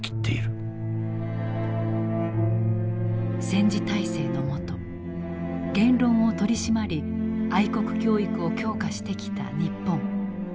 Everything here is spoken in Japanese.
戦時体制のもと言論を取り締まり愛国教育を強化してきた日本。